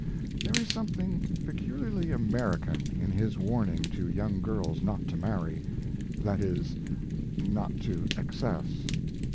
There is something peculiarly American in his warning to young girls not to marry that is, not to excess!